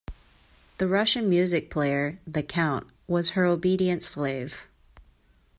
The Russian music player, the Count, was her obedient slave.